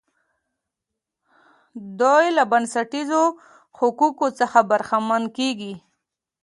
دوی له بنسټیزو حقوقو څخه برخمن کیږي.